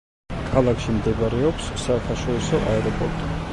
ქალაქში მდებარეობს საერთაშორისო აეროპორტი.